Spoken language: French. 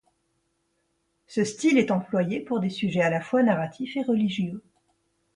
Ce style est employé pour des sujets à la fois narratifs et religieux.